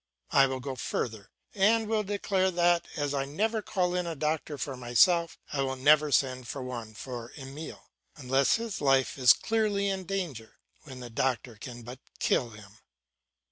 I will go farther, and will declare that, as I never call in a doctor for myself, I will never send for one for Emile, unless his life is clearly in danger, when the doctor can but kill him.